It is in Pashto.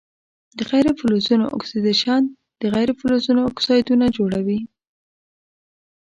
د غیر فلزونو اکسیدیشن د غیر فلزونو اکسایدونه جوړوي.